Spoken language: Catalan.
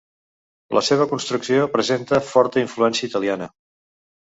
La seva construcció presenta forta influència italiana.